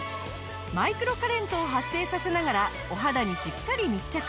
マイクロカレントを発生させながらお肌にしっかり密着。